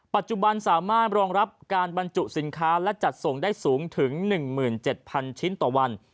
ปัจจุบันสามารถรองรับการบรรจุสินค้าและจัดส่งได้สูงถึง๑๗๐๐ชิ้นต่อวัน